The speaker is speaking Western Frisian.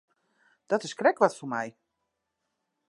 Dat is krekt wat foar my.